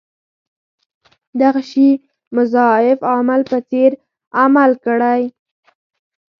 دغه شي مضاعف عامل په څېر عمل کړی.